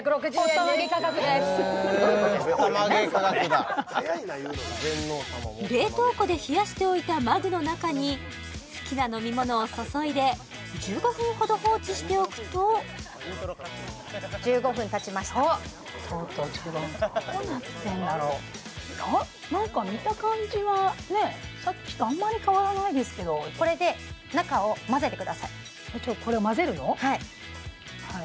これ何ですかこれ冷凍庫で冷やしておいたマグの中に好きな飲み物を注いで１５分ほど放置しておくと１５分たちましたおっどうなってんだろうあっなんか見た感じはねっさっきとあんまり変わらないですけどこれでこれを混ぜるの？